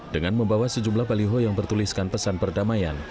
dengan membawa sejumlah baliho yang bertuliskan pesan perdamaian